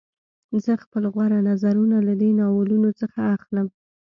زه خپل غوره نظرونه له دې ناولونو څخه اخلم